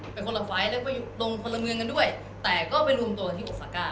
เป็นคนละไฟล์แล้วก็ลงคนละเมืองกันด้วยแต่ก็ไปรวมตัวกันที่อุตสาก้า